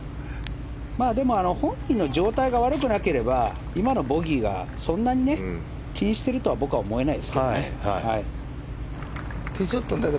本人の状態が悪くなければ今のボギーがそんなに気にしているとは僕は思えないですけどね。